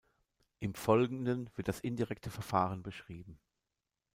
Im Folgenden wird das indirekte Verfahren beschrieben.